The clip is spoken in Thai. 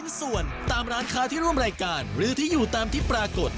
มาฟังกติกาให้ชัดแล้วไปดูกันเลยค่ะ